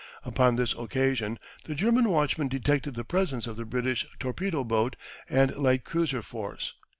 Upon this occasion the German watchman detected the presence of the British torpedo boat and light cruiser force.